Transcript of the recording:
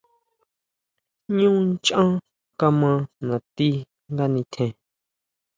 Ñú nchán kama nati nga nitjen.